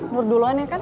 buat duluan ya kan